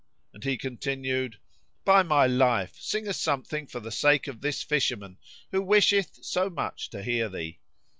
and he continued, "By my life, sing us something for the sake of this fisherman who wisheth so much to hear thee."